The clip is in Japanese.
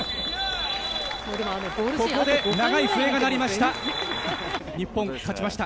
ここで長い笛が鳴りました。